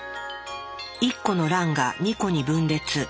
１個の卵が２個に分裂。